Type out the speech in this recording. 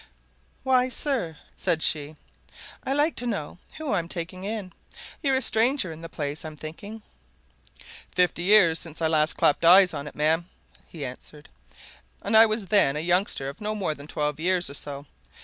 "Why, sir," said she. "I like to know who I'm taking in. You're a stranger in the place, I'm thinking." "Fifty years since I last clapped eyes on it, ma'am," he answered. "And I was then a youngster of no more than twelve years or so.